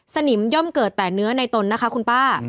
สนิมย่อมเกิดแต่เนื้อในตนนะคะคุณป้า